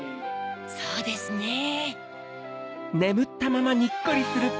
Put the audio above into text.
そうですねぇ。